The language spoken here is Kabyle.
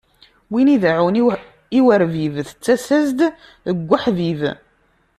Win ideɛɛun i urbib, tettas-as-d deg uḥbib.